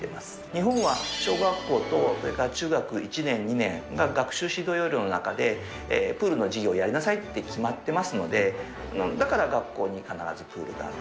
日本は小学校とそれから中学１年、２年が学習指導要領の中で、プールの授業をやりなさいって決まってますので、だから学校に必ずプールがある。